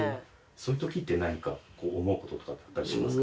そういう時って何か思う事とかってあったりしますか？